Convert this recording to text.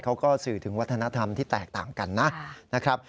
เขาก็สื่อถึงวัฒนธรรมที่แตกต่างกันนะครับ